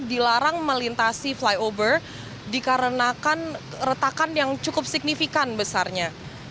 dilarang melintasi flyover dikarenakan retakan yang cukup signifikan besarnya